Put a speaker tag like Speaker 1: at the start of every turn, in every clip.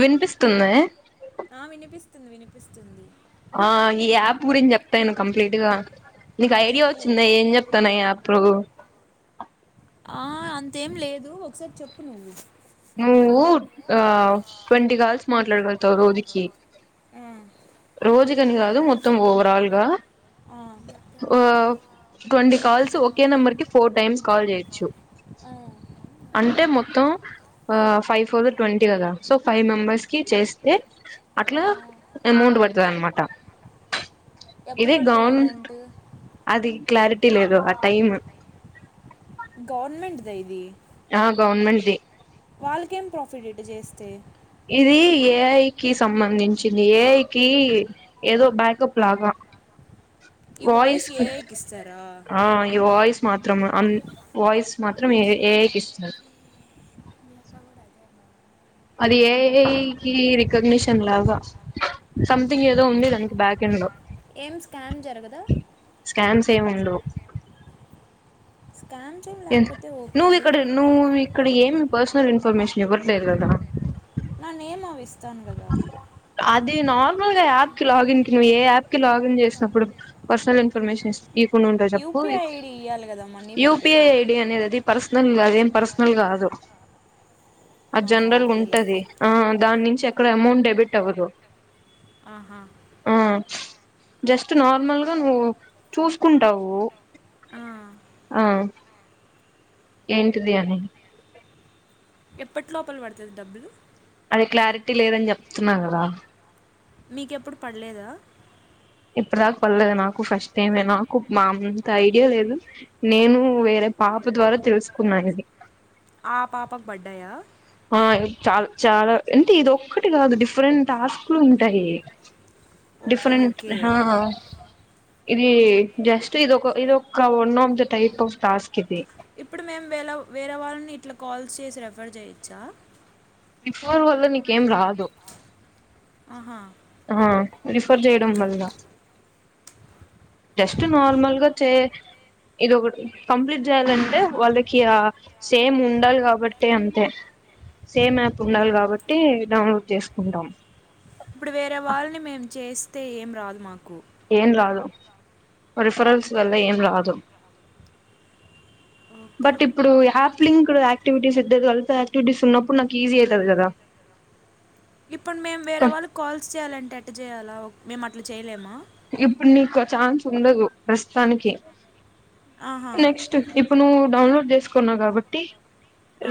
Speaker 1: వినిపిస్తుంది.
Speaker 2: వినిపిస్తుంది.
Speaker 1: ఆహ్ ఈ యాప్ గురించి చెప్పు. ట్రైన్ కంప్లీట్ గా నీకు ఐడియా వచ్చింద ఏం చెప్తున్నాయి ఈ యాప్.
Speaker 2: ఆహ్ అంతేం లేదు ఒకసారి చెప్పు నువ్వు.
Speaker 1: నువ్వు ఆహ్ ట్వంటీ కాల్స్ మాట్లాడగలుగుతావు రోజుకి. రోజుకని కాదు మొత్తం ఓవరాల్ గా. ఆహ్ ట్వంటీ కాల్స్ ఒకే నెంబర్ కి ఫోర్ టైమ్స్ కాల్ చేయచ్చు. అంటే మొత్తం ఆహ్ ఫైవ్. ఫోర్ ట్వంటీ కదా సో ఫైవ్ మెంబర్స్ కి చేస్తే. అట్లా. పడుతదనమాట.
Speaker 2: ఎప్పుడు పడుతది అమౌంట్.
Speaker 1: అది క్లారిటీ లేదు ఆ టైమ్.
Speaker 2: గవర్నమెంట్ ద ఇది.
Speaker 1: ఆహ్ గవర్నమెంట్ద్.
Speaker 2: వాళ్ళకేం ప్రాఫిట్ ఇట్ చేస్తే
Speaker 1: ఇది ఏఐకిి సంబంధించింది ఏఐకి ఏదో బ్యాకప్ లాగా. వాయిస్ కి ఆహ్ ఈ వాయిస్. మాత్రం అ అంత్ వాయిస్ మాత్రం ఏ ఏఐకి ఇస్తారు. అది ఏఐ కి రికగ్నిషన్ లాగా సంథింగ్ ఏదో ఉంది. దానికి బ్యాక్ ఎండ్ లో.
Speaker 2: ఏం స్కామ్ జరగదా.
Speaker 1: స్కాంస్ ఏముండవు. ఎ నువ్వు ఇక్కడ నువ్వు ఇక్కడ ఏమి బస్. ఫుల్ ఇన్ఫర్మేషన్ ఇవ్వట్లేదు కదా.
Speaker 2: ఆహ్ నా నేమ్ అవి ఇస్. వస్తాను కదా.
Speaker 1: అది నార్మల్ గా యాప్ కి లాగిన్ కి నువ్వు ఏ యాప్ కి లాగిన్ చేసినప్పుడు పర్సనల్ ఇన్ఫర్మేషన్ ఇస్. ఇవ్వకుండా ఉంట చెప్పు యూపిఐ ఐడి అనేది అది పారస్ అదేం పర్సనల్గాదు. అది జనరల్ ఉంటది ఆహ్ దానించి. అక్కడ అమౌంట్ డబిట్ అవదు.
Speaker 2: ఆహా.
Speaker 1: జస్ట్ నార్మల్గా నువ్వు చూసుకుంటావు.
Speaker 2: ఆహ్.
Speaker 1: ఆహ్. ఏంటిది అని.
Speaker 2: ఎప్పటి లోపల పడుతది డబ్బులు.
Speaker 1: అది క్లారిటీ లేదని చెప్తున్నా కదా.
Speaker 2: మీకెప్పుడు పడలేదా.
Speaker 1: అప్పటిదాక పడలేదు నాకు, ఫస్ట్ టైమే నాకు. మాంత ఐడియా లేదు, నేను వేరే పాప ద్వారా తెలుసుకున్నా ఇది.
Speaker 2: ఆ పాపకు పడ్డాయా.
Speaker 1: ఆ చాల్ చాలా అంటే ఇది ఒక్కటి కాదు డిఫరెంట్ టాస్క్లు ఉంటాయి. డిఫరెంట్ హా. ఇది జస్ట్ ఇదొక ఇదొక్క one of the type of task ఇది.
Speaker 2: ఇప్పుడు మేము వేలో వేరే, వాళ్ళని ఇట్లా కాల్స్ చేసి రెఫర్ చేయొచ్చా.
Speaker 1: ఈ ఫోన్ వల్ల నీకేం రాదు.
Speaker 2: ఆహా.
Speaker 1: ఆహా రిఫర్ చేయడం వల్ల. జస్ట్ నార్మల్గా చే ఇది ఒకటి కంప్లీట్ చేయాలంటే వాళ్ళకి ఆ సేమ్ ఉండాలి కాబట్టి అంతే. సేమ్ యాప్ ఉండాలి కాబట్టి డౌన్లోడ్ చేసుకుంటాం.
Speaker 2: ఇప్పుడు వేరే వాల్నీ మేము చేస్. తే ఏం రాదు మాకు.
Speaker 1: ఏం రాదు రిఫరల్స్ వల్ల ఏం రాదు.
Speaker 2: ఇప్పుడు మేము వేరే వాళ్ళు కాల్స్ చేయాలంటే ఎట్టా చేయాలా ఓ. మేము అట్లా చేయలేమా.
Speaker 1: ఇప్పుడు నీకు ఆ ఛాన్స్ ఉండదు ప్రస్తుతానికి. నెక్స్ట్ ఇప్. ఇప్పుడు నువ్వు డౌన్లోడ్ చేసుకున్నావు కాబట్టి,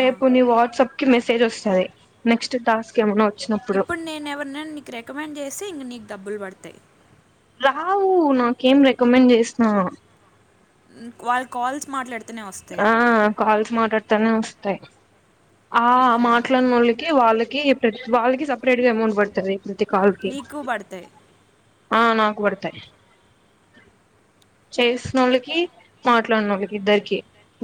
Speaker 1: రేపు నీ వాట్సాప్ కి మెసేజ్ ఓస్తాది. నెక్స్ట్ టాస్క్ ఏమన్నా.
Speaker 2: ఇప్పుడు నేన్ ఎవరినైనా నీకు రికమెండ్ చేసి, ఇంక నీక్ డబ్బులు పడ్. తే.
Speaker 1: రావు నాకేం రికమెండ్ చేసిన.
Speaker 2: ఉమ్ వాళ్ కాల్స్ మాట్లాడిత్.
Speaker 1: ఆ కాల్స్. మాట్లాడతనే వస్తాయి. ఆ మాట్లాడినోళ్ళకి వాళ్ళకి ఇప్. ప్రతి వాళ్ళకి సపరేట్గా అమౌంట్ పడతది. అంతే కాల్కి. చేసినోళ్ళకి మాట్లాడినోళ్ళకి ఇద్దరికి.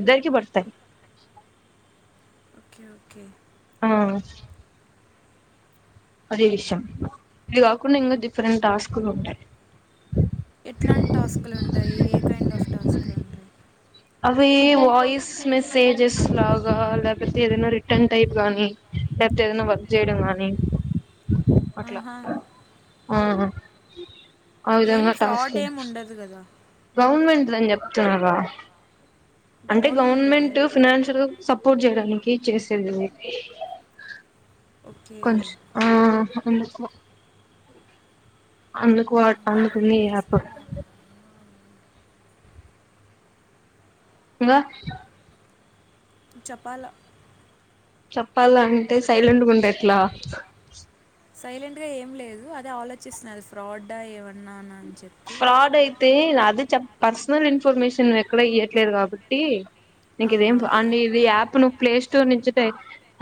Speaker 1: ఇద్దరికీ పడతాయి.
Speaker 2: ఓకే.
Speaker 1: ఆ. అదే విషయం. ఇది కాకుండా ఇంగ డిఫరెంట్ టాస్కులు ఉంటాయి.
Speaker 2: ఎట్లాంట్ టాస్కులు ఉంటాయి. ఏ కైండ్ ఆఫ్ టాస్కులు ఉంటాయి.
Speaker 1: అవి వాయిస్ మెసేజెస్ లాగా, లేకపోతే ఏదైనా రీటన్ టైప్ గా, లేకపోతే ఏదైనా వర్క్ చేయడం గానీ.
Speaker 2: ఆహా.
Speaker 1: ఆహా.
Speaker 2: ఏం ఫ్రాడ్ ఏం ఉండదు కదా.
Speaker 1: గవర్నమెంట్ దని చెప్తున్నాగా. అంటే గవర్నమెంట్ ఫినాన్షియల్ సప్. సపోట్ చేయడానికి చేసేది కొంచ ఆ ఎందుకో అందుకు అందుకుంది ఈ యాప్ ఇకా
Speaker 2: చెప్పాలా
Speaker 1: చెప్పాలా అంటే సైలెంట్గా ఉంటా ఎట్లా
Speaker 2: సైలెంట్ గా ఏం లేదు అదే ఆలోచిస్తున్నా అది ఫ్రాడ్డా ఏమన్నా అ
Speaker 1: ఫ్రాడ్ అయితే నా అదే చె పర్సనల్ ఇన్ఫర్మేషన్ ను ఎక్కడ ఇయ్యట్లేదు కాబట్టి ఇంకేది అది ఈ యాప్ ను ప్లే స్టోర్ నుంచి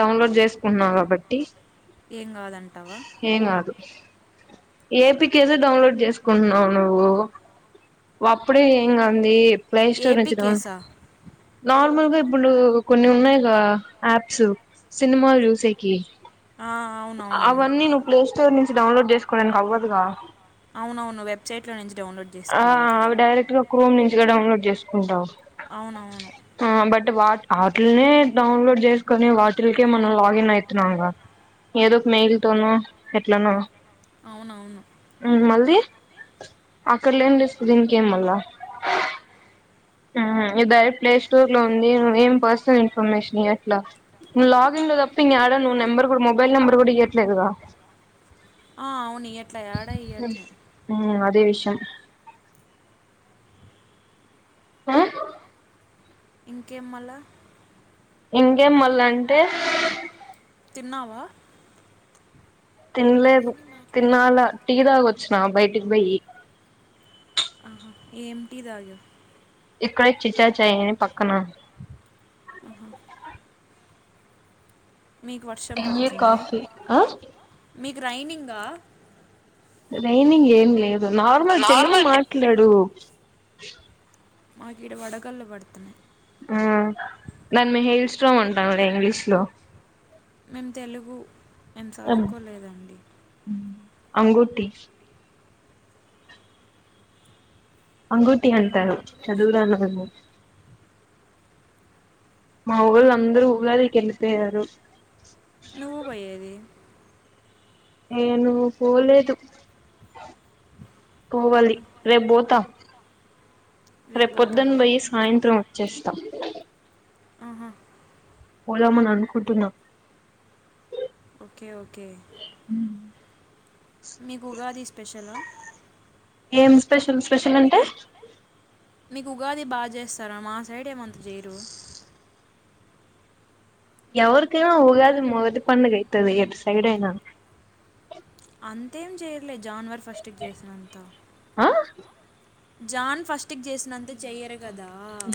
Speaker 1: డౌన్లోడ్ చేసుకున్నాం కాబట్టి
Speaker 2: ఏం కాదంటావా
Speaker 1: ఏపీకిదో డౌన్లోడ్ చేసుకుంటున్నాం నువ్వు అప్పుడే ఏం కానిది ప్లే స్టోరీ నుంచి డౌన్ నార్మల్ గా ఇప్పుడు కొన్ని ఉన్నాయి గా యాప్స్ సినిమాలు చూసేకి అవన్నీను ప్లేస్ స్టోర్ నుంచి డౌన్లోడ్ చేసుకోవడానికి అవ్వదుగా
Speaker 2: అవునవును వెబ్సైట్ లో నుంచి డౌన్డ్ చేసుకోవాలి
Speaker 1: క్రోమ్ నుంచి డౌన్లోడ్ చేసుకుంటావు ఆ బట్ వా ఆటినే డౌన్లోడ్ చేసుకొని వాటిలకే మనం లాగిన్ అవుతున్నాం ఏదో ఒక మెయిల్ తనో ఎట్లనో మళ్ళీ దీనికేం మల్ల ఇది డైరెక్ట్ ప్లే స్టోర్ లో ఉంది నువ ఏం పర్సనల్ ఇన్ఫర్మేషన్ ఇవ్వట్లా ను లాగిన్ లో తప్ప ఇం ఆడా నువ్వు నెంబర్ కూడా మొబైల్ నెంబర్ కూడా ఇవయట్లేదు కదా
Speaker 2: ఆ అవును ఇయ్యట్లే ఆడ ఇయ్యట్లే
Speaker 1: అదే విషయం ఆ
Speaker 2: ఇంకేమళ
Speaker 1: ఇంకేం మళ్ళ అంటే
Speaker 2: తిన్నావా
Speaker 1: తినలేదు తిన్నాలా టీ తాగి వచ్చిన బయటికి పోయి
Speaker 2: ఆహా ఏమిటి తగవు
Speaker 1: ఇక్కడ చిచాచయని పక్కన కాఫీ
Speaker 2: రైనింగ్ ఆ
Speaker 1: రైనింగ్ ఏం లే నార్మల్ తెలుగు మాట్లాడు ష్
Speaker 2: మాకీడ వడగలు పడుతయి
Speaker 1: ఆ దాన్ని మేము హైల్ స్ట్రో అంటాం లే ఇంగ్లీష్ లో
Speaker 2: మేమ్ తెలుగు నేన్ చదువుకోలేదండి
Speaker 1: అంగు టి అంగుటి అంటరు చదువురాని వాళ్ని మా ఊళ్ళు అందరూ ఊగాదికి వెళ్ళిపోయారు
Speaker 2: తు బోయేది
Speaker 1: నేను పోలేదు పోవాలి రేపు బోతా రే పొద్దున బోయి సాయంత్రం చేస్తామ్ పోదమని అనుకుంటున్న
Speaker 2: ఒకె ఒకే మీకు ఉగాది స్పెషలా
Speaker 1: ఏం స్పెషల్ స్పెషల్ అంటే
Speaker 2: మీకు ఉగాది బాగ చేస్తారా మా సైడ్ ఏమంత చేయరు
Speaker 1: ఎవరికినా ఉగాది మొగది పండకైతదు ఎటు సైడైనా
Speaker 2: అంతేం చేయద్ ఇలే జాన్వర్ ఫస్ట్ గేసినంత జాన్ ఫస్టిక్ చేసినంత చెయ్య రె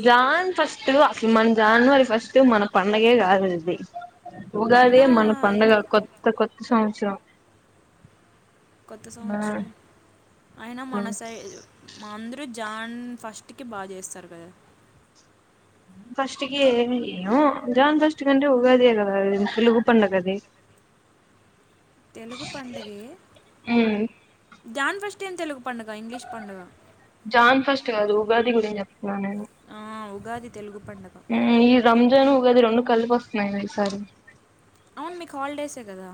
Speaker 1: జాన్ ఫస్టు మన్ జాన్వవరి ఫస్ట్ మన పండగే కాదు ఉగాదె మన పండగ కొత్త కొత్త సంత్సరం
Speaker 2: కొత్త సంవత్సరం అయిన మన సై మా అందరూ జాన్ ఫస్ట్ కి బాగ చేస్తారు కదా
Speaker 1: ఫస్ట్ కి ఏమి చేయం జాన్ ఫస్ట్ కంటే ఉగాదియే కదా తెలుగు పండగది
Speaker 2: తెలుగు పండగే ధ్యాన్ ఫస్ట్ ఏమ్ తెలుగు
Speaker 1: జాన్ ఫస్ట్ కదు ఉగాది గురించి చెప్ ఇంగా నేను
Speaker 2: ఉగాది తెల్గు
Speaker 1: ఉమ్ ఈ రంజను గది రెండు కలిపి వస్తున్నాయి ఈసారి
Speaker 2: అంతె గదా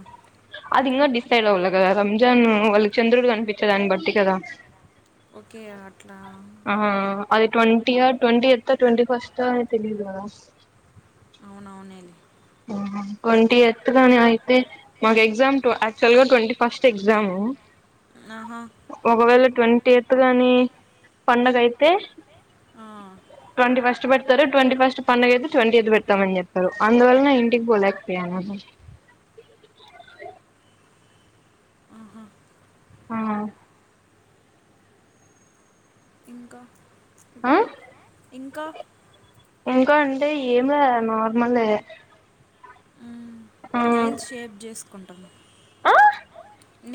Speaker 1: అది ఇన్న డిసైడ్ అవ్వల కదా రంజాన్ వాళ్ళకి చంద్రుడు కనిపించే దాన్ని బట్టి కదా
Speaker 2: ఓకే అట్లా
Speaker 1: ట్వంటీ ట్వ ఎత్త ట్వ ఫస్ట్ తెలీదు కదా
Speaker 2: అవునవు ఏ లే
Speaker 1: ఆహా ట్వంటీ ఎయిత్ గాని అయితే మాకు ఎగ్జామ్ యాక్చువల్ గా ట్వంటీ ఫస్ట్ ఎగ్జాము
Speaker 2: ఆహా
Speaker 1: ట్వంటీ ఎయిత్ గాని పండగ అయితే ట్వంట ఫస్ట్ పెడతారు ట్వంటీ ఫస్ట్ పండగయి ట్వీ ఎయి పెడతామని చెప్పారు అందువల్ల ఇంటికి బలేకపోయా ఆ ఆ
Speaker 2: ఇంకా
Speaker 1: ఇంకా అంటే ఏం లే నార్మల్ ఏ
Speaker 2: నెయిల్స్ షేప్ చేసుకుంటాము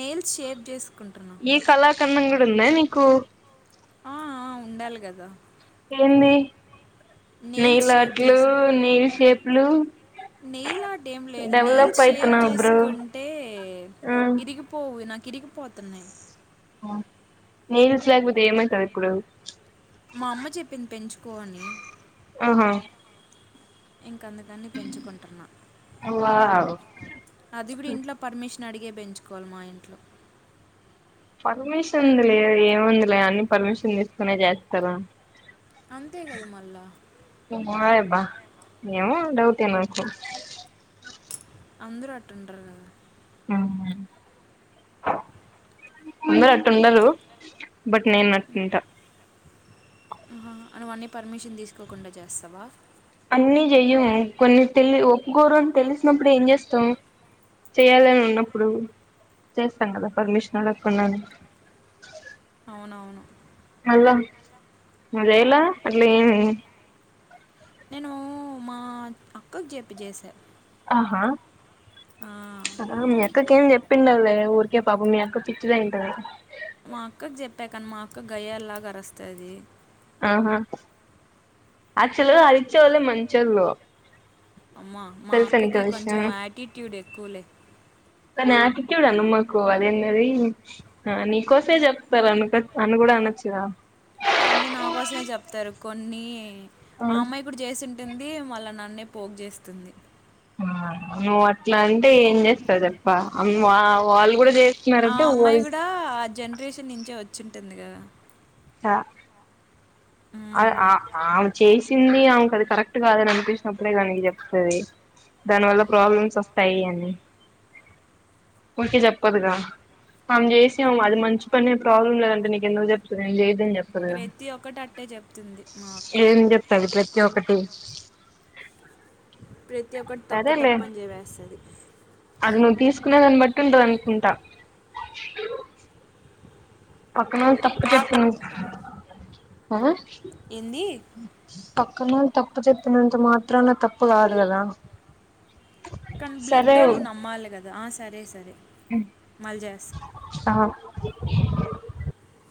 Speaker 2: నెయిల్స్ షేవ్ చేసు
Speaker 1: ఈ కళా కాండం కూడా ఉందా నీకు కు
Speaker 2: ఆ ఆ ఉండాలి కదా
Speaker 1: ఉంది నెయిల్ ఆర్ట్లు nail shape hello
Speaker 2: nail art ఏం లేదు నెయల్ షేప్ చేసుకుంటే విరిగిపోవు నాకు ఇరిగిపోతున్నాయి
Speaker 1: నెయిల్స్ లేకపోతే ఏం అయితది ఇప్పుడు
Speaker 2: మా అమ్మ చెప్పింది పెంచుకోవని
Speaker 1: ఆహా
Speaker 2: ఇంక అందుకని పెంచుకుంటున్నా అది కూడా ఇంట్లో పర్మిషన్ కృని అడిగే పెంచుకోవాలి మా ఇంట్లో
Speaker 1: పర్మిషన్ ఉంది లే ఏము ఉందిలే అన్ని పర్మిషన్ తీసుకునే చేస్తారుా
Speaker 2: అంతే కదా మళ్ళా
Speaker 1: ఏవో డౌట్ ఏనాకు
Speaker 2: అందరూ అట్ంటారు కదా
Speaker 1: అందరు అట్ ఉండరు బట్ నేను అట్ంట
Speaker 2: అనివన్నీ పర్మిషన్ తీసుకోకుండా చేస్తావా
Speaker 1: అన్ని చెయ్య కొన్ని తెలి ఒప్పుకోరు అని తెలిసినప్పుడు ఏం చేస్తాం చెయాలని ఉన్నప్పుడు చేస్తాం కదా పర్మిషన్ అడగకుండానే
Speaker 2: అవునవును
Speaker 1: అలా మజయలా అట్లే ఏ
Speaker 2: అక్కకు చెప్పి చేసారు
Speaker 1: ఆహా ఆ ఎక్కక ఏం చెప్ పిండల్లే ఊరికే పాప మీ అక పిచ్చిదా ఉంటారు
Speaker 2: మా అక్కకి చెప్పా కానీ మా అక్క గయల్లాగరస్తుది
Speaker 1: ఆహా యాక్చువల్ గా అరిచేవాళ్ళే మంచోళ్ళు
Speaker 2: అమ్మ మా అక్కకి కొంచెం యాటిట్యూడ్ ఎక్కువలే
Speaker 1: క్కడను మాకు అదేన్నది నీకోసమే చెప్తారు అన్నకో అన్న కూడా అనొచ్చుద
Speaker 2: కొన్ని నా కోసమే చెప్తారు కొన్ని ఆ అమ్మాయి కూడా చేసిం ఉంటుంది మళ్ళ నన్నే పోగ చేస్తుంది
Speaker 1: అ నువ్వు అట్లా అంటే ఏం చేస్తారు చెప్ప అ వాళ్ళు కూడా చేస్త
Speaker 2: ఆ అమ్మాయి కూడా ఆ జనరేషన్ నుంచే వచ్ వచ్చుంటుంది కదా
Speaker 1: ఆ అ అ ఆమె చెస్ కింది ఆమెకు అది కరెక్ట్ కాదని అనిపించినప్పుడే దానికి చెప్తుంది దానివల్ల ప్రాబ్లమ్స్ వస్తాయి అని ఓకే చెప్పదుగా ఆమె చేసి అది మంచి పనే ప్రాబ్లం లేదంటే నీకు ఎందుకు చెప్తుంది నేను చేయదు అని చెప్
Speaker 2: ప్రతి ఒక్కటి
Speaker 1: ఏం చెప్తది ప్రతి ఒక్కటి ఉ
Speaker 2: ప్రతి ఒక్కటి తప్పు తప్పని చేవేస్తది
Speaker 1: వినే దాన్ని బట్టీ ఉంటది అనుకుంటా పక్కనోళ్లది తప్పు చెప్పింది ఆ
Speaker 2: ఏంది
Speaker 1: పక్కనోళ్లది తప్పు చెప్పినంత మాత్రాన తప్పు కాదు కదా
Speaker 2: కానీ బ్లడ్ వోళ్లని నమ్మాలి కదా అ సరే సరే
Speaker 1: ఆ